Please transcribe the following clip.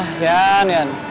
hah yan yan